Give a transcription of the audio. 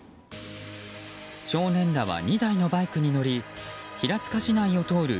少年らは２歳のバイクに乗り平塚市内を通る